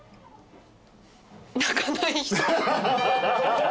泣かない人。